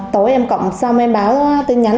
tối em cộng xong em báo tin nhắn